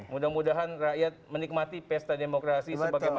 mudah mudahan rakyat menikmati pesta demokrasi sebagaimana